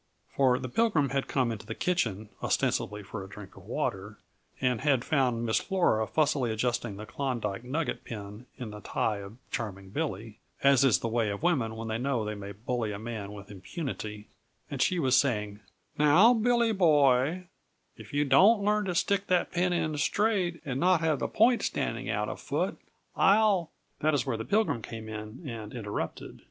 For the Pilgrim had come into the kitchen, ostensibly for a drink of water, and had found Miss Flora fussily adjusting the Klondyke nugget pin in the tie of Charming Billy, as is the way of women when they know they may bully a man with impunity and she was saying: "Now, Billy Boy, if you don't learn to stick that pin in straight and not have the point standing out a foot, I'll " That is where the Pilgrim came in and interrupted.